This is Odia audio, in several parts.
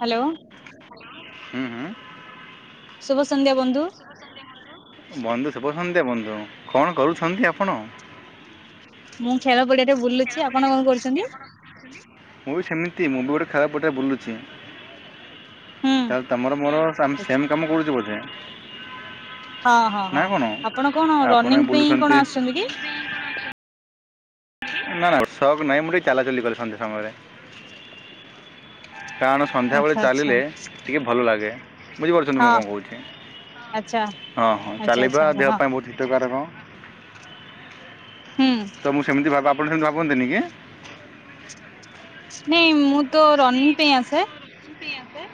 ହ୍ୟାଲୋ। ହୁଁ ହୁଁ! ଶୁଭ ସନ୍ଧ୍ୟା ବନ୍ଧୁ। ବନ୍ଧୁ ଶୁଭ ସନ୍ଧ୍ୟ ବନ୍ଧୁ କଣ କରୁଛନ୍ତି ଆପଣ? ମୁଁ ଖେଳ ପଡିଆରେ ବୁଲୁଚି। ଆପଣ କଁ କରୁଊନ୍ତି? ମୁଁ ବି ସେମିତି ମୁଁ ବି ଗୋଟେ ଖେଳ ପଡିଆ ବୁଲୁଚି ହୁଁ ତାଲେ ତମର ମୋର ତ ଆମ୍ ସେମ୍ କାମ କରୁଚେ ବୋଧେ। ହଁ ହଁ ହଁ ନାଇଁ କଣ ଆପଣ କଣ ଆପଣ ରନିଂ ବି ପାଇଁ କଣ ବୁଲୁଛନ୍ତି ଆସୁଛନ୍ତି କି? ନା ନା ଶକ ନାଇଁ ମୁଁ ଟିକେ ଚାଲାଚଲି କରେ ସନ୍ଧ୍ୟା ସମୟରେ। କାରଣ ସନ୍ଧ୍ୟାବେଳେ ଆଚ୍ଛା ଆଚ୍ଛା ଚାଲିଲେ ଟିକିଏ ଭଲ ଲାଗେ ବୁଝିପାରୁଚନ୍ତି ମୁଁ ହଁ କଣ କହୁଚି। ଆଚ୍ଛା ହଁ ହଁ ଆଚ୍ଛା ଚାଲିବା ଆଚ୍ଛା ଦେହ ହଁ ପାଇଁ ବହୁତ୍ ହିତକାର। ହୁଁ ତ ମୁଁ ସେମିତି ଭାବେ ଆପଣ ସେମିତି ଭାବନ୍ତିନି କି? ନାଇଁ ମୁଁ ତ ରନିଂ ପାଇଁ ଆସେ। [unintelligible] ପାଇଁ ଆସେ।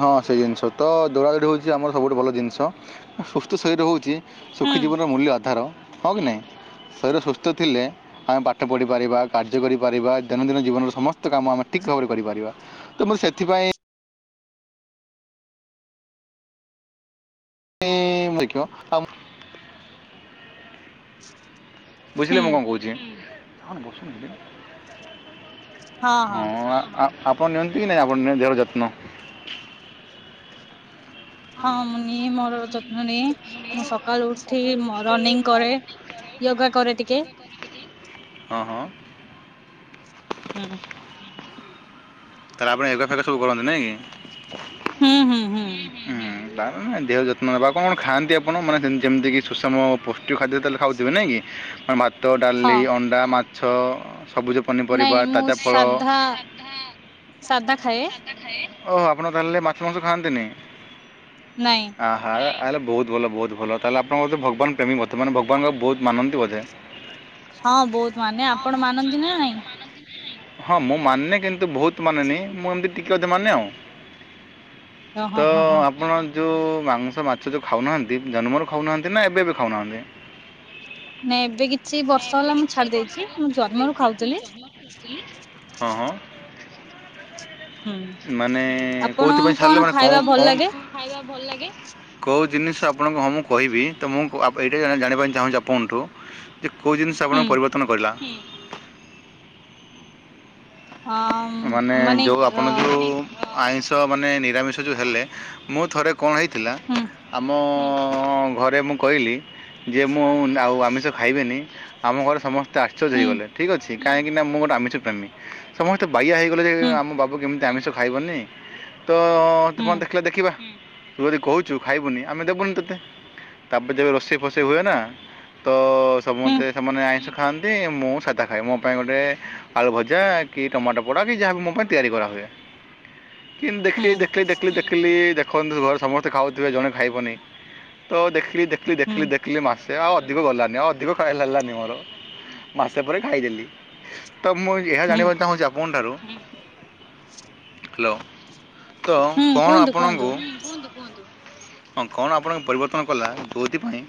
ହଁ ସେ ଜିନ୍ଷ ତ ଦୌଡ଼ଦୋଡ଼ି ହଉଚି ଆମର ସବୁଠୁ ଭଲ ଜିନ୍ଷ। ସୁସ୍ଥ ଶରୀର ହଉଚି ହୁଁ ସୁଖୀ ଜୀବନର ମୂଲ୍ୟ ଆଧାର ହଁ କି ନାହିଁ। ଶରୀର ସୁସ୍ଥ ଥିଲେ ଆମେ ପାଠ ପଢ଼ିପାରିବା କାର୍ଯ୍ୟ କରିପାରିବା ଦୈନନ୍ଦିନ ଜୀବନର ସମସ୍ତ କାମ ଆମେ ଠିକ୍ ଭାବରେ କରିପାରିବା। ତ ମୁଁ ସେଥିପାଇଁ ଏମ୍ ଦେଖିବ ଆଉ। ବୁଝିଲେ ହୁଁ ମୁଁ କଣ କହୁଚି? ହୁଁ ହଁ ଆ ଆ ଆପଣ ନିଅନ୍ତୁ କି ନାଇଁ ଆପଣ ଦେହର ଯତ୍ନ। ହଁ ମୁଁ ନିଏ ମୋର ଯତ୍ନ ନିଏ। ମୁଁ ସକାଳୁ ଉଠି ରନିଂ କରେ। ୟୋଗା କରେ ଟିକେ। ଅଁ ହଁ। ଉଁ ହୁଁଁ ତାହେଲେ ଆପଣ ଏବେ ଫବେ ସବୁ କରନ୍ତି ନାଇଁ କି? ହୁଁ ହୁଁ ହୁଁ ବା ମାନେ ଦେହର ଯତ୍ନ ନବା। କଣ ଖାଆନ୍ତି ଆପଣ? ମାନେ ଯେମିତି କି ସୁଷମ ପୌଷ୍ଟିଖାଦ୍ୟ ତାହେଲେ ଖାଉଥିବେ ନାଇଁ କି। ଆ ଭାତ ହଁ ଡ଼ାଲି ଅଣ୍ଡା ମାଛ ସବୁଜ ନାଇଁ ପନିପରିବା ମୁଁ ତାଜା ଫଳ ସାଧା ସାଧା ଖାଏ। ଓହୋ ଆପଣ ତାହେଲେ ମାଛ ମାଂସ ଖାନ୍ତିନି। ନାଇଁ ଆ ‌ହା ହେଲେ ବହୁତ ଭଲ ବହୁତ ଭଲ ତାହେଲେ ଆପଣ ବୋଧେ ଭଗବାନ ପ୍ରେମୀ ବର୍ତ୍ତମାନ ଭଗବାନଙ୍କୁ ବହୁତ ମାନନ୍ତି ବୋଧେ। [inaudible] ହଁ ବହୁତ ମାନେ ଆପଣ ମାନନ୍ତି ନା ନାଇଁ। ହଁ ମୁଁ ମାନେ କିନ୍ତୁ ବହୁତ ମାନେନି ମୁଁ ଏମିତି ଟିକେ ଅଧେ ମାନେ ଆଉ। ଓ ହଁ ତ ହଁ ହଁ ଆପଣ ଯୋଉ ମାଂସ ମାଛ ଯୋଉ ଖାଉନାହାନ୍ତି ଜନ୍ମରୁ ଖାଉନାହାନ୍ତି ନା ଏବେ ବି ଖାଉନାହାନ୍ତି? ନାଇଁ ଏବେ କିଛି ବର୍ଷ ହେଲା ମୁଁ ଛାଡ଼ି ଦେଇଚି। ମୁଁ ଜନ୍ମରୁ ଖାଉଥିଲି। ଅଁ ହଁ। ହୁଁ। ମାନେ ଆପଣ କୋଉଥିପାଇଁ ଛାଡ଼ିଲେ ମାନେ ଖାଇବା କଣ ଭଲ ଲାଗେ? କଣ ଖାଇବା ଭଲ ଲାଗେ? କୋଉ ଜିନିଷ ଆପଣଙ୍କୁ ହଁ ମୁଁ କହିବି। ତ ମୁଁ ଆପ୍ ଏଇଟା ଜାଣିବା ପାଇଁ ଚାହୁଁଚି ଆପଣଠୁ। ଯେ କୋଉ ଜିନିଷ ଆପଣ ହୁଁ ପରିବର୍ତ୍ତନ କରିଲା? ହଁ ମାନେ ଯୋଉ ଆପଣ ଯୋଉ ଆଇଁଷ ମାନେ ନିରାମିଷ ଯୋଉ ହେଲେ। ମୁଁ ଥରେ କଣ ହେଇଥିଲା। ହୁଁ ଆମ ଆମ ଘରେ ମୁଁ କହିଲି ଯେ ମୁଁ ଆଉ ଆମିଷ ଖାଇବନି। ଆମ ଘରେ ସମ ସେ ଆଶ୍ଚର୍ଯ୍ୟ ହୁଁ ହେଇଗଲେ। ଠିକ୍ ଅଛି କାହିଁକି ନା ମୁଁ ଗୋଟେ ଆମିଷ ପ୍ରେମୀ ସମ ସମସ୍ତ ବାୟା ହେଇଗଲେ ଯେ ହୁଁ ଆମ ବାବୁ କେମିତି ଆମିଷ ଖାଇବନି। ତ ଯେ ହୁଁ ପର୍ଯ୍ୟନ୍ତ ଦେଖିଲେ ଦେଖିବା। ତୁ ଯଦି କହୁଚୁ ଖାଇବୁନି ଆମେ ଦେବୁନି ତତେ। ତାପରେ ଯେବେ ରୋଷେଇ ଫୋସେଇ ହୁଏ ନା। ତ ତ ହୁଁ ସମେସ୍ତେ ସେମାନେ ଆଇଁଷ ଖାଆନ୍ତି। ମୁଁ ସାଧା ଖାଏ। ମୋ ପାଇଁ ଗୋଟେ ଆଳୁ ଭଜା କି ଟମାଟ ପୋଡ଼ା କି ଯାହାବି ମୋ ପାଇଁ ତିଆରି କରାହୁଏ। କିନ୍ତୁ ହୁଁ ଦେଖିଲେ ଦେଖିଲେ ଦେଖିଲେ ଦେଖି ଦେଖିଲି ଦେଖନ୍ତୁ ଘରେ ସମସ୍ତେ ଖାଉଥିବେ ଜଣେ ଖାଇବନି। ତ ଦେଖିଲି ଦେଖିଲି ଦେଖିଲି ଦେ ହୁଁ ଦେଖିଲି ମାସେ ଆଉ ଅଧିକ ଗଲାନି ଆଉ ଅଧିକ ଖା ହେଲାନି ମୋର ମାସେ ପରେ ଖାଇଦେଲି। ତ ମୁଁ ଏହା ହୁଁ ଜାଣିବାକୁ ଚାହୁଁଚି ଆପଣ ଠାରୁ [inaudible] ହାଲୋ ତ ହୁଁ କଣ କୁହନ୍ତୁ କୁହନ୍ତୁ। ଆପଣଙ୍କୁ କୁହନ୍ତୁ କୁହନ୍ତୁ ହଁ କଣ ଆପଣଙ୍କ ପରିବର୍ତ୍ତନ କଲା। କୋଇଥିପାଇଁ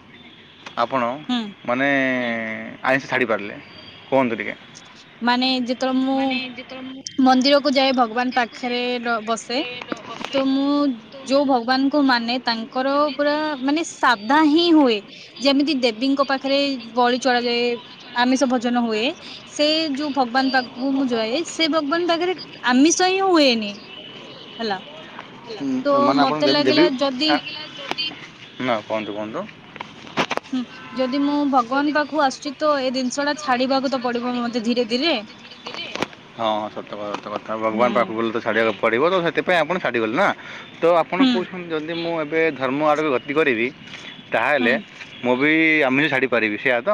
ଆପଣ ହୁଁ ମାନେ ଆଇଁଷ ଛାଡ଼ିପାରିଲେ କୁହନ୍ତୁ ଟିକେ। ମାନେ ଯେତେବେଳେ ମୁଁ ମନ୍ଦିରକୁୁ ଯାଏ ଭଗବାନ ପାଖରେ ପ୍ର ବସ୍ ବସେ ତ ମୁଁ ଯୋଉ ଭଗବାନଙ୍କୁ ମାନେ ତାଙ୍କର ପୁରା ମାନେ ସାଧା ହିଁ ହୁଏ। ଯେମିତି ଦେବୀଙ୍କ ପାଖରେ ବଳି ଚଳାଯାଏ, ଆମିଷ ଭୋଜନ ହୁଏ ସେ ଯୋଉ ଭଗବାନ୍ ପା ହ ମୁଁ ଯଏ, ସେ ଭଗବାନଙ୍କ ପାଖରେ ଆମିଷ ହିଁ ହୁଏନି, ହେଲା। ତ ମାନେ ଆପଣ ମତେ ଦେବି ଦେବି ଲାଗିଲା ଯଦି ନା କୁହନ୍ତୁ କୁହନ୍ତୁ। ହୁଁ, ଯଦି ମୁଁ ଭଗବାନ ପାଖକୁ ଆସୁଚି ତ, ଏ ଜିନିଷ୍ ଟା ଛାଡିବାକୁ ତ ପଡ଼ିବ ମତେ ଧୀରେ ଧୀରେ। ହଁ ସତ କଥା, ସତ କଥା, ହୁଁ ଭଗବାନ୍ ପାଖକୁ ଗଲେ ଛାଡ଼ିବାକୁ ପଡ଼ିବ, ତ ସେଥିପାଇଁ ଆପଣ ଛାଡିଗଲେ ନା ତ ଆପଣ ହୁଁ କହୁଛନ୍ତି, ଯଦି ମୁଁ ଏବେ ଧର୍ମ ଆଡ଼କୁ ଗତି କରିବି ହୁଁ ତାହାଲେ ମୁଁ ବି ଆମିରି ଛାଡ଼ି ପାରିବି, ସେୟା ତ?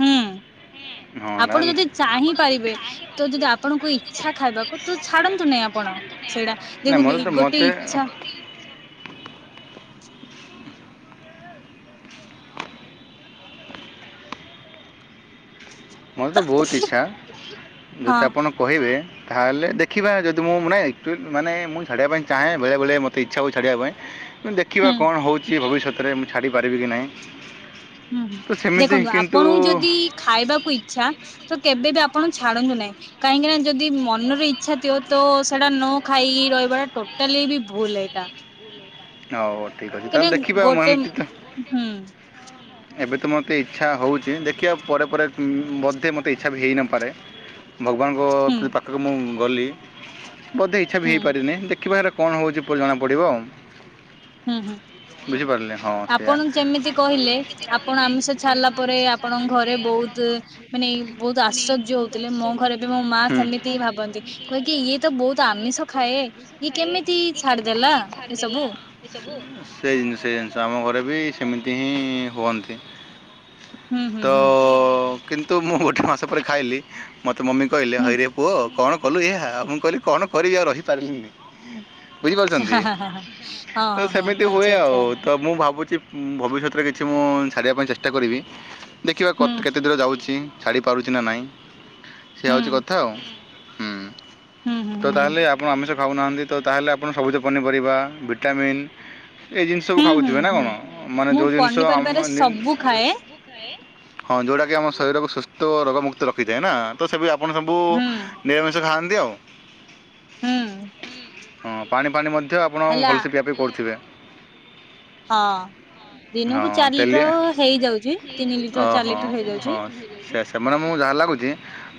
ହୁଁ। ହଁ ଆପଣ ଯଦି [unintelligible] ଚାହିଁ ପାରିବେ, ତ ଯଦି ଆପଣଙ୍କୁ ଇଛା ଖାଇବାକୁ, ତ ଛାଡନ୍ତୁ ନାହିଁ ଆପଣ, ସେଇଟା ନା ମୋର ଦେଖନ୍ତୁ, ତ ଏଇ ଗୋଟେ ମୋତେ ଇଛା ମୋରେ ତ ବହୁତ୍ ଇଛା, ହଁ ଯଦି ଆପଣ କହିବେ ତାହେଲେ ଦେଖିବା, ଯଦି ମୁଁ ମୁଣେ ମାନେ ମୁଁ ଛାଡ଼ିବା ପାଇଁ ଚାହେଁ, ବେଳେବେଳେ ମୋତେ ଇଛା ହୁଏ ଛାଡ଼ିବା ପାଇଁ ମୁ ଦେଖିବା ହୁଁ କଣ ହଉଚି ଭବିଷ୍ୟତରେ, ମୁଁ ଛାଡ଼ିପାରିବି କି ନାହିଁ? ହୁଁ ତ ହୁଁ, ସେମିତି ଦେଖନ୍ତୁ କିନ୍ତୁ ଆପଣଙ୍କୁ ଯଦି ଖାଇବାକୁ ଇଛା ତ କେବେ ବି ଆପଣ ଛାଡ଼ନ୍ତୁ ନାହିଁ। କାହିଁକି ନା ଯଦି ମନର ଇଛା ଥିବ, ତ ସେଇଟା ନ ଖାଇକି ରହିବାଟା ଟୋଟାଲି ବି ଭୁଲ୍ ଏଇଟା। ହଉ ଠିକ୍ ଅଛି, କାହିଁକିନା ତାହେଲେ ଦେଖିବା ମୁଁ ଗୋଟେ ହୁଁ ଏମିତି ତ ହୁଁ ଏବେ ତ ମୋତେ ଇଛା ହେଉଚି, ଦେଖିବା ପରେ ପରେ ବୋଧେ ମୋତେ ଇଛା ବି ହେଇନପାରେ। ଭଗବାନଙ୍କ ପାଖକୁ ମୁଁ ଗଲି, ବୋଧେ ଇଛା ବି ହୁଁ ହେଇପାରିନି, ଦେଖିବାର କଣ ହଉଚି, ପରେ ଜଣାପଡ଼ିବ ଆଉ। ହୁଁ ହୁଁ। ବୁଝିପାରିଲେ? ହଁ ସେଇଆ। ଆପଣ ଯେମିତି କହିଲେ, ଆପଣ ଆମିଷ ଛାଡିଲା ପରେ ଆପଣଙ୍କ ଘରେ ବହୁତ୍ ମାନେ ବହୁତ୍ ଆଶ୍ଚର୍ଯ୍ୟ ହଉଥିଲେ, ମୋ ଘରେ ବି ମୋ ମା ସେମିତି ହି ଭାବନ୍ତି, କୁହେକି ଇଏ ତ ବହୁତ୍ ଆମିଷ ଖାଏ, ଇଏ କେମିତି ଛାଡିଦେଲା ଏସବୁ? ସେଇ ଜିନିଷ୍ ସେଇ ଜିନିଷ୍ ଆମ ଘରେ ବି ସେମିତି ହିଁ ହୁଅନ୍ତି। ହୁଁ ହୁଁ ତ ହୁଁ। କିନ୍ତୁ ମୁଁ ଗୋଟେ ମାସ ପରେ ଖାଇଲି, ମୋତେ ମମି କହିଲେ ହୁଁ ହଇରେ ପୁଅ କଣ କଲୁ ଏୟା, ମୁଁ କହିଲି କଣ କରିମି ଆଉ ରହିପାରିଲିନି, ବୁଝିପାରୁଚନ୍ତି? ଓହୋ, ହଁ। ତ ହଁ ହଁ ସେମିତି ହୁଏ ଆଚ୍ଛା ଆଉ। ଆଚ୍ଛା ତ ମୁଁ ଭାବୁଚି ଭବିଷ୍ୟତରେ କିଛି ମୁଁ ଛାଡ଼ିବା ପାଇଁ ଚେଷ୍ଟା କରିବି। ଦେଖିବା କ ହୁଁ କେତେ ଦୂର ଯାଉଚି, ଛାଡ଼ି ପାରୁଚି ନା ନାହିଁ, ସେୟା ହୁଁ ହେଉଚି କଥା ଆଉ। ହୁଁ ହୁଁ ହୁଁ ତ ହୁଁ ତାହେଲେ ଆପଣ ଆମିଷ ଖାଉନାହାନ୍ତି, ତ ତାହେଲେ ଆପଣ ସବୁଜ ପନିପରିବା, ଭିଟାମିନ୍ ଏଇ ଜିନିଷକୁୁ ହୁଁ ହୁଁ ଖାଉଥିବେ ନା ହୁଁ କଣ, ମାନେ ମୁଁ ଯୋଉ ଜିନିଷ ପନିପରିବାରେ ଆମମାନେ ସବୁ ଖାଏ ହଁ, ଯୋଉଟା କିି ଆମ ଶରୀରକୁ ସୁସ୍ଥ ଓ ରୋଗ ମୁୁକ୍ତ ରଖିଥାଏ ନା ତ ସେ ବି ଆପଣ ସବୁ ହୁଁ ନିରାମିଷ ଖାଆନ୍ତି ଆଉ। ହୁଁ। ହଁ, ପାଣି ଫାଣି ମଧ୍ୟ ଆପଣ ହେଲା ଭଲସେ ପିଆପିଇ କରୁଥିବେ? ହଁ। ହଁ ଦିନକୁ ଚାରି ତେଲିଆ ଲିଟର ହେଇଯାଉଚି, ତିନି ଲିଟର ଚାରି ଓହୋ ଲିଟର ହଁ ହେଇଯାଉଚି। ସେ ସେମାନେ ମୁଁ ଯାହା ଲାଗୁଚି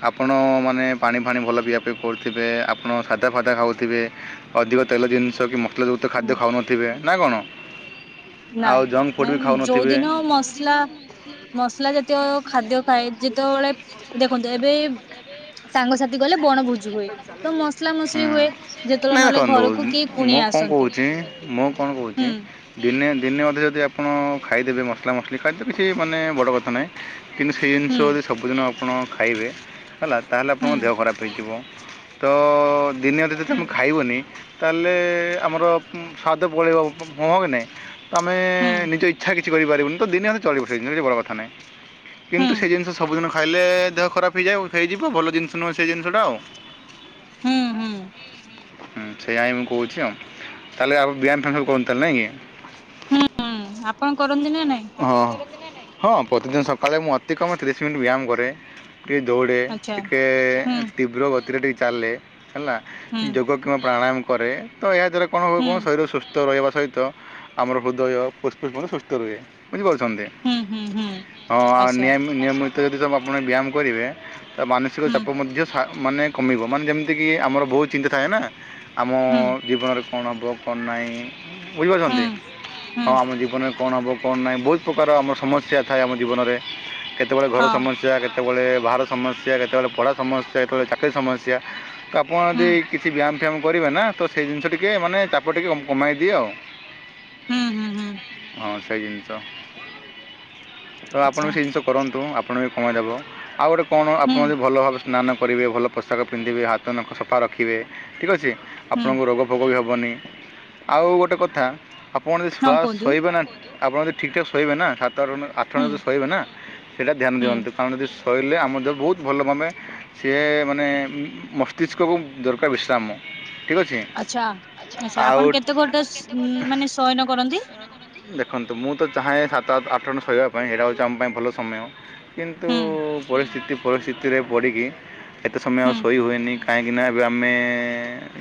ଆପଣ ମାନେ ପାଣି ଫାଣି ଭଲ ପିଆ ପିଇ କରୁଥିବେ ଆପଣ ସାଦା ଫାଦା ଖାଉଥିବେ। ଅଧିକ ତେଲ ଜିନିଷ କି ମସଲାଯୁକ୍ତ ହୁଁ ଖାଦ୍ୟ ଖାଉନଥିବେ ନା କଣ? ଆଉ ନାଇଁ ଜଙ୍କ୍ ଫୁଡ଼୍ ବି ନାଇଁ ଖାଉନଥିବେ ଯୋଉଦିନ ମସଲା ମସଲା ଜାତୀୟ ଖାଦ୍ୟ ଖାଏ ଯେତେବେଳେ ଦେଖନ୍ତୁ ଏବେ ସାଙ୍ଗସାଥି ଗଲେ ବଣଭୋ ହୁଁ ନା ଯେତେବେଳେ ନା ନହେଲେ ଦେଖନ୍ତୁ ଘରକୁ କିଏ ମୁଁ କୁଣିଆ କଣ ଆସନ୍ତି କହୁଚି ମୁଁ କଣ କହୁ ହୁଁ ଦିନେ ଦିନେ ଅଧେ ଯଦି ଆପଣ ଖାଇଦେବେ ମସଲା ମସଲି ଖାଦ୍ୟ କିଛି ମାନେ ବଡ଼ କଥା ନାହିଁ। କିନ୍ତୁ ସେ ଜିନିଷ ହୁଁ ଯଦି ସବୁଦିନ ଆପଣ ଖାଇବେ ହେଲା ତାହେଲେ ହୁଁ ଆପଣଙ୍କ ଦେହ ଖରାପ୍ ହେଇଯିବ। ତ ଦିନେ ଅଧେ ଯଦି ହୁଁ ତମେ ଖାଇବନି ତାହେଲେ ଆମର ହୁଁ ସ୍ଵାଦ ପଳେଇବ ମହକେ ନାଇଁ ତମେ ହୁଁ। ନିଜ ଇଚ୍ଛା କି କିଛି କରିପାରିବନି ତ ଦିନେ ଅଧେ ଚଳିବ କିଛି ବଡ଼ କଥା ନାହିଁ ହୁଁ କିନ୍ତୁ ସେ ଜିନିଷ ସବୁ ଦିନ। ଖାଇଲେ ଦେହ ଖରାପ୍ ହେଇଯାଏ ହେଇଯିବ ଭଲ ଜିନିଷ ନୁହେଁ ସେ ଜିନିଷଟା ଆଉ। ହୁଁ ହୁଁ। ହୁଁ ସେୟାଇ ମୁଁ କହୁଚି ଆଉ ତାହେଲେ ଆଉ ବିହାନ ଫିଆନ [inaudible] ନା କି। ସାପଣ କରନ୍ତି ନାଇଁ? ହଁ ହଁ ପ୍ରତିଦିନ ସକାଳେ ମୁଁ ଅତି କମ୍ ତିରିଶ ମିନିଟ୍ ବ୍ୟାୟାମ କରେ। ଟିକେ ଦୌଡ଼େ ଆଚ୍ଛା ଟିକେ ହୁଁ ତୀବ୍ର ଗତିରେ ଟିକେ ଚାଲେ ହେଲା ହୁଁ ଯୋଗ କି ପ୍ରାଣାୟାମ କରେ ତ ଏହା ଦ୍ୱାରା କଣ ହୁଁ ହୁଏ ଶରୀର ସୁସ୍ଥ ସୁସ୍ଥ ରହିବା ସହିତ ଆମର ହୃଦୟ ପୁଷ୍ପୁଷ୍ପ ସୁସ୍ଥ ରୁହେ ବୁଝି କରୁଛନ୍ତି। ହୁଁ ହୁଁ ହୁଁ ହଁ ଆଉ ଆଚ୍ଛା ନିୟାମ ନିୟମିତ ଯଦିୁ ଆପଣ ବ୍ୟାୟାମ କରିବେ। ତା ମାନସିକ ହୁଁ ଚାପ ମଧ୍ୟ ସା ମାନେ କମିବ ମାନେ ଯେମିତିକି ଆମର ବହୁତ୍ ଚିନ୍ତା ଥାଏ ନା। ଆମ ହୁଁ ଜୀବରେ କଣ ହବ କଣ ନାଇଁ? ବୁଝିପାରୁଚନ୍ତି ହୁଁ ହୁଁ ହଁ ଆମ ଜୀବନରେ କଣ ହବ? କଣ ନାହିଁ ବହୁତ୍ ପ୍ରକାର ଆମ ସମସ୍ୟା ଥାଏ ଆମ ଜୀବନରେ କେତେବେଳେ ଘର ସମ ସମସ୍ୟା କେତେବେଳେ ବାହାର ସମସ୍ୟା କେତେବେଳେ ପଢ଼ା ସମସ୍ୟା କେତେବେଳେ ଚାକିରୀ ସମସ୍ୟା। ଆପଣ ଯଦି କିଛି ବ୍ୟାୟାମ ଫ୍ୟାୟାମ। କରିବେ ନା ତ ସେଇ ଜିନିଷ ଟିକେ ମାନେ ଚାପ ଟିକେ କମାଇ ଦିଏ ଆଉ। ହୁଁ ହୁଁ ହୁଁ। ହଁ ସେଇ ଜିନିଷ ତ ଆପଣ ଆଚ୍ଛା ସେ ଜିନିଷ କରନ୍ତୁ ଆପଣ ବି କମେଇଦବ ଆଉ ଗୋଟେ କଣ ଆପଣ ହୁଁ ଯଦି ଭଲ ଭଲ ସ୍ନାନ କରିବେ ଭଲ ପୋଷାକ ପିନ୍ଧିବେ ହାତ ନଖ ସଫା ରଖିବେ ଠିକ୍ ଅଛି ହୁଁ ଆପଣଙ୍କ ରୋଗ ଭୋକ ବି ହବନି ଆଉ ଗୋଟେ କଥା ଆପଣ [inaudible] ହଁ ଶୁଆ କୁହନ୍ତୁ ଶୋଇବେ ନା ଆପଣ ଯଦି ଠିକ୍ ଠାକ୍ ଶୋଇବେ ନା ସାତ ଆଠଜଣ ହୁଁ ଯ ଶୋଇବେ ନା ସେଇଟା ଧ୍ୟାନ ହୁଁ ଦିଅନ୍ତୁ କାରଣ ଯ କହିଲେ ଆମ ଯ ବହୁତ ଭଲ ତମେ ସିଏ ମାନେ ମସ୍ତିଷ୍କକୁ ଦରକାର ବିଶ୍ରାମ। ଠିକ୍ ଅଛି ଆଚ୍ଛା ଆଚ୍ଛା ଆପଣ କେତେ ଗୋଟେସ୍ ଆଉ ମାନେ ସୟନ କରନ୍ତି? ଦେଖନ୍ତୁ ମୁଁ ତ ଚାହେଁ ସାତ ଆଠଜଣ ଶୋଇବା ପାଇଁ ଏଇଟା ହେଉଛି ଆମ ପାଇଁ ଭଲ ସମୟ। କିନ୍ତୁ ହୁଁ ପରିସ୍ଥିତି ପରିସ୍ଥିତିରେ ପଡ଼ିକି ଏତେ ସମୟ ଆଉ ହୁଁ ଶୋଇ ହୁଏନି କାହିଁକିନା ଏବେ ଆମେ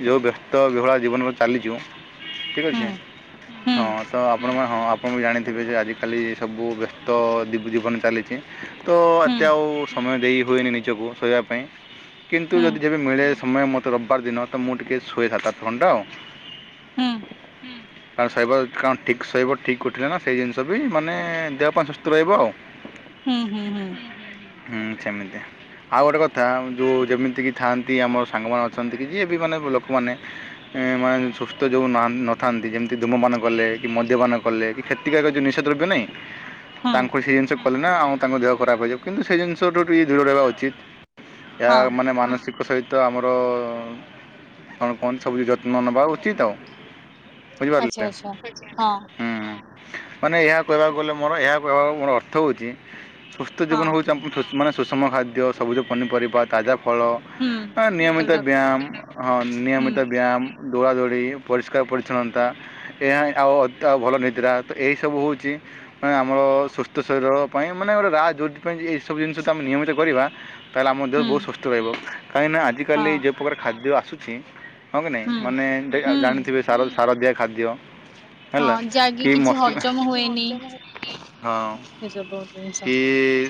ଯେଉଁ ବ୍ୟସ୍ତ ବିହୁଳା ଜୀବନ। କାଲି ଯିମୁ ଠିକ୍ ହୁଁ ଅଛି ହୁଁ ହଁ ତ ଆପଣଙ୍କର ହଁ ଆପଣ ବି ଜାଣିଥିବେ ଯେ ଆଜିକାଲି ସବୁ ବ୍ୟସ୍ତ ଜୀବି ଜୀବନ ଚାଲିଛି। ତ ହୁଁ ଏତେ ଆଉ ସମୟ ଦେଇ ହୁଏନି ନିଜକୁ ଶୋଇବା ପାଇଁ। କିନ୍ତୁ ହୁଁ ଯଦି ଯେବେ ମିଳେ ସମୟ ମୋତେ ରବିବାର ଦିନ ତ ମୁଁ ଟିକିଏ ଶୁଏ ସାତ ଆଠ ଘଣ୍ଟ ଆଉ। ହୁଁ ହୁଁ କାର ଶୋଇବ କାଣ ଠିକ୍ ଶୋଇବ ଠିକ୍ ଗ ଉଠିଲେନା ସେଇ ଜିନିଷ ବି ମାନେ ଦେହ ପାଇଁ ସୁସ୍ଥ ରହିବ ଆଉ ହୁଁ। ହୁଁ ହୁଁ ହୁଁ ହୁଁ ସେମିତି। ଆଉ ଗୋଟେ କଥା ଯୋ ଯେମିତିକି ଥାଆନ୍ତି ଆମର ସାଙ୍ଗମାନେ ଅଛନ୍ତି କି ଯିଏବି ମାନେ ଲୋକମାନେ ଏମାନେ ସୁସ୍ଥ ଯୋଉ ମାନେ ନଥାନ୍ତି ଯେମିତି ଧୂମପାନ କଲେ କି ମଦ୍ୟପାନ କଲେ କି? କ୍ଷତିକାର ଯୋ ନିଶା ଦ୍ରବ୍ୟ ନାଇଁ ହଁ ତାଙ୍କୁ ସେ ଜିନିଷ କଲେ ନା ଆଉ ତାଙ୍କ ଦେହ ଖରାପ ହେଇଯିବ କିନ୍ତୁ ସେ ଜିନିଷଠୁ ଟିକିଏ ଦୂରରହିବା ଉଚିତ୍। ଏହା ହଁ ମାନେ ମାନସିକ ସହିତ ତ ଆମର କଣ କଣ ସବୁ ଯତ୍ନ ନେବା ଉଚିତ୍ ଆଉ ବୁଝିପାରିଲେ ଆଚ୍ଛା ଆଚ୍ଛା ହଁ। ହୁଁ ମାନେ ଏହା କହିବାକୁ ଗଲେ ମୋର ଏହା କହିବାକୁ ମୋର ଅର୍ଥ ହଉଚି ସୁସ୍ଥ ଜୀବନ ହଁ ହଉଛି ଆ ସୁଷମ ମାନେ ସୁଷମ ଖାଦ୍ୟ ସବୁଜ ପନିପରିବା ତାଜା ଫଳ। ହୁଁ ଅ ନିୟମିତ ଚାଲ ବ୍ୟାୟାମ ହଁ ହୁଁ ନିୟମିତ ବ୍ୟାୟାମ। ଦୌଡ଼ାଦୌଡ଼ି ପରିଷ୍କାର ପରିଚ୍ଛନ୍ନତା ଏହା ଆଉ ଅଧା ଭଲ ନିଦ୍ରା ତ ଏହି ସବୁ ହଉଚି ମାନେ ଆମର ସୁସ୍ଥ ଶରୀର ପାଇଁ ମାନେ ଗୋଟେ ରାଜ ଯୋଉଥି ପାଇଁ ଏହିସବୁ ଜିନିଷ ତ ଆମେ ନିୟମିତ କରିବା। ତାହେଲେ ଆମ ଦେହ ହୁଁ ବହୁତ ସୁସ୍ଥ ରହିବ କାହିଁକିନା ଆଜିକାଲି ହଁ ଯେ ପ୍ରକାର ଖାଦ୍ୟ ଆସୁଛି। ହଁ କି ନାଇଁ ହୁଁ ମାନେ ହୁଁ ଜାଣିଥିବେ ସାର ସାରଦିଆ ଖାଦ୍ୟ। ହଁ ଯାଗି କି ମସଲା ହଁ ଏସବୁ ଜିନିଷ ଏ। ଏ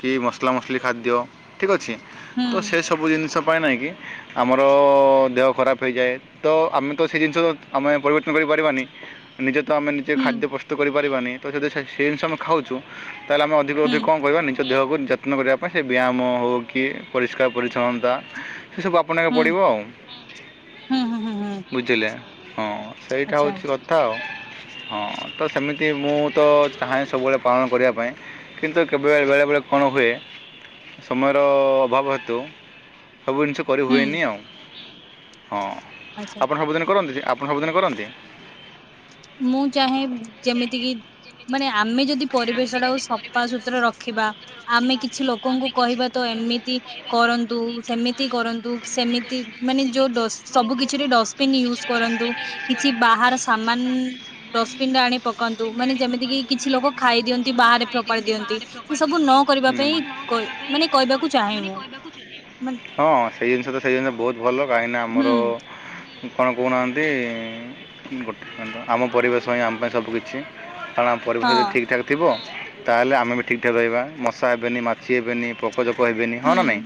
କି ମସଲା ମସିଲି ଖାଦ୍ୟ ଠିକ୍ ଅଛି। ହୁଁ ତ ସେସବୁ ଜିନିଷ ପାଇଁ ନାଇଁ କି ଆମର ଦେହ ଖରାପ ହେଇଯାଏ ତ ଆମେ ତ ସେ ଜିନିଷ ଆମେ ପରିବର୍ତ୍ତନ କରିପାରିବାନି। ନିଜେ ତ ଆମେ ନିଜେ ହୁଁ ଖାଦ୍ୟ ପ୍ରସ୍ତୁତ କରିପାରିବାନି ତ ଯଦି ସେ ସେ ଜିନିଷ ଆମେ ଖାଉଚୁ। ତାହେଲେ ଆମେ ଅଧିକ ହୁଁ ଅଧିକ କଣ କହିବା ନିଜ ଦେହକୁ ଯତ୍ ଯତ୍ନ କରିବା ପାଇଁ ସେ ବ୍ୟାୟାମ ହଉକି ପରିଷ୍କାର ପରିଚ୍ଛନ୍ନତା ସେ ସବୁ ଆପ୍ ଆପଣେଇବାକୁ ହୁଁ ପଡ଼ିବ। ହୁଁ ହୁଁ ହୁଁ ବୁଝିଲେ ହଁ ସେଇଟା ଆଚ୍ଛା ହେଉଛି କଥା। ଥାଉ। [inaudible] ହଁ ତ ସେମିତି ମୁଁ ତ ଚାହେଁ ସବୁବେଳେ ପାଳନ କରିବା ପାଇଁ କିନ୍ତୁ କେବେ ବେଳେ ବେଳେ କଣ ହୁଏ ସମୟର ଅଭାବ ହେତୁ ସବୁ ଜିନିଷ ହୁଁ କରିହୁଏନି ଆଉ ହଁ ଆଚ୍ଛା ଆପଣ ସବୁଦିନ କରନ୍ତି ସେଇ ଆପ୍ ଆପଣ ସବୁଦିନ କରନ୍ତି। ମୁଁ ଚାହେଁ ଯେମିତି କିି? ମାନେ ଆମେ ଯଦି ପରିବେଶଟାକୁ ସଫା ସୁତୁରା ରଖିବା ଆମେ କି? କିଛି ଲୋକଙ୍କୁ କହିବା ତ ଏମିତି କରନ୍ତୁ ସେମିତି କରନ୍ତୁ ସେମିତି ମାନେ ଯୋଉ ଡ଼ଷ୍ଟ ସବୁ କିଛିରେ ଡଷ୍ଟପିନ୍ ୟୁଜ୍ କରନ୍ତୁ କିଛି ବାହାର ସାମ୍ ଡଷ୍ଟବିନ ରେ ଆଣି ପକାନ୍ତୁ ମାନେ ଯେମିତି କିି କିଛି ଲୋକ ଖାଇ ଦିଅନ୍ତି ବାହାରେ ଫୋପାଡି ଦିଅନ୍ତି। ଏ ସବୁ ନ କରିବା ପାଇଁ କଇ ମାନେ କହିବାକୁ ଚାହେଁ ମୁଁ। ମାନେ ହଁ ସେଇ ଜିନିଷ ତ ସେଇ ଜିନିଷ ବହୁତ ଭଲ କାହିଁକିନା ହୁଁ ଆମର କଣ କହୁନାହାନ୍ତି ଗୋଟେ ଆମ ପରିବେଶ ଆମ ପାଇଁ ସବୁ କିିଛି। କାରଣ ଆମ ପରିବେଶ ହଁ ଯଦିଠିକ ଠାକ୍ ଥିବ ତାହେଲେ ଆମେ ବି ଠିକ୍ ଠାକ୍ ରହିବ। ମଶା ହେବେନି ମାଛି କିଛି ହେବେନି ପୋକଜୋକ ହେବେନି ହଁ ହୁଁ ନା ନାଇଁ।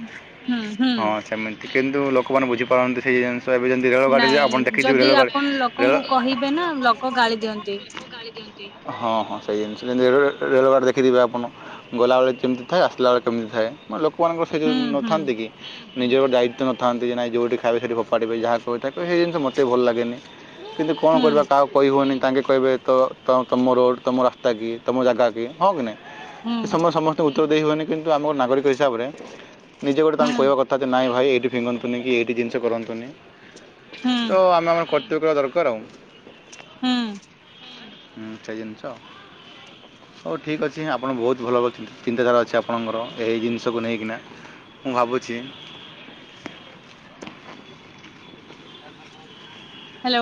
ହୁଁ ହୁଁ। ହଁ ସେମିତି। କିନ୍ତୁ ଲୋକମାନେ ବୁଝିପାରନ୍ତି ସେହି ଜିନିଷ ଏବେ ଯେମିତି ରେଳଗାଡ଼ିରେ ଆପଣ ନାଇଁ ଦେଖିଥିବେ ଯଦି ରେଳଗାଡ଼ି ଆପଣ ରେଳ ଲୋକଙ୍କୁ କହିବେ ନା ଲକ୍ କ ଗାଳି ଦିଅନ୍ତି। ହଁ ହଁ ସେଇ ଜିନିଷଯେମତି ରେଳଗଡି ଦେଖିଥିବେ ଆପଣ। ଗଲାବେଳେ କେମିତି ଥାଏ ଆସିଲା ବେଳେ କେମିତି ଥାଏ। ଲୋକମାନଙ୍କର ସେ ଯଉ ହୁଁ ହୁଁ ନଥାନ୍ତି କି ନିଜର ଦାୟିତ୍ୟ ନଥାନ୍ତି ନାଇ ଯୋଉଠି ଖାଇବେ ସେଠି ଫୋପାଡ଼ିବେ ଯାହା କହ ତାକୁ ସେ ଜିନିଷ ମୋତେ ଭଲ ଲାଗେନି। କିନ୍ତୁ କଣ ହୁଁ କରିବା କାହାକୁ କହି ହୋଉନି ତାଙ୍କେ କହିବେ ତ ତ ତମ ରୋଡ ତମ ରାସ୍ତା କି ତମ ଜାଗା କି ହଁ କି ନାଇଁ ହୁଁ ଏ ସମ ସମ ତ ଉତ୍ତର ଦେଇ ହୁଏନି କିନ୍ତୁ ଆମେ ଗୋଟେ ନାଗରିକ ହିସାବରେ ନିଜେ ଗୋଟେ ହୁଁ ତାଙ୍କୁ କହିବା କଥା ଯେ ନାଇଁ ଭାଇ ଏଇଠି ଫିଙ୍ଗନ୍ତୁନି କି ଏଇଠି ଜିନିଷ କରନ୍ତୁନି ହୁଁ ତ ଆମେ ଆମର କର୍ତ୍ତବ୍ୟ ଦରକାର ଆଉ। ହୁଁ। ହୁଁ ସେଇ ଜିନିଷ। ହୋଉ ଠିକ୍ ଅଛି ଆପଣ ବୋହୁତ ଭଲ [unintelligible] ଚିନ୍ତାଧାରା ଅଛି ଆପଣଙ୍କର ଏହି ଜିନିଷକୁ ନେଇକିନା। ମୁଁ ଭାବୁଛି ହ୍ୟାଲୋ।